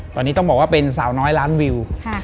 ตอนนี้ต้องบอกว่าเป็นสาวน้อยล้านวิว